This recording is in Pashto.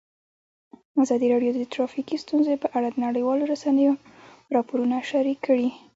ازادي راډیو د ټرافیکي ستونزې په اړه د نړیوالو رسنیو راپورونه شریک کړي.